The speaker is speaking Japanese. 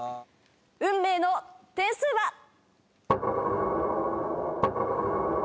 運命の点数は。